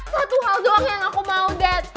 satu hal doang yang aku mau lihat